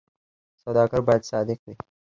سوداګر باید صادق وي